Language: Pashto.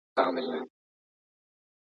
تړمي سولې اوښکي ستا دیاد په حضرنه راځې